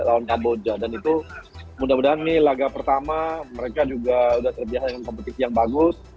lawan kamboja dan itu mudah mudahan nih laga pertama mereka juga sudah terbiasa dengan kompetisi yang bagus